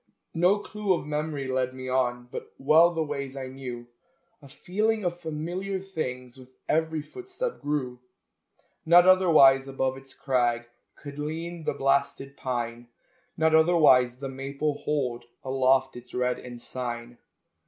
No clue of memory led me on, But well the ways I knew; A feeling of familiar things With every footstep grew. Not otherwise above its crag Could lean the blasted pine; Not otherwise the maple hold Aloft its red ensign.